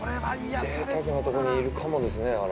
◆ぜいたくなとこにいるカモですね。